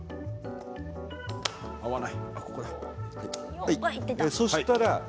合わない。